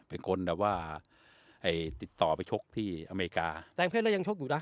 เป็นคนแบบว่าติดต่อไปชกที่อเมริกาแปลงเพศแล้วยังชกอยู่นะ